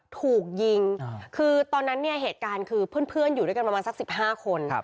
ถูกยิงคือตอนนั้นเนี่ยเหตุการณ์คือเพื่อนอยู่ด้วยกันประมาณสัก๑๕คน